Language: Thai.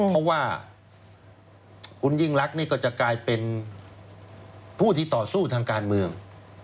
เพราะว่าคุณยิ่งรักนี่ก็จะกลายเป็นผู้ที่ต่อสู้ทางการเมือง